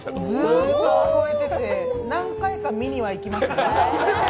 ずっと聞こえてて何回か見には行きました。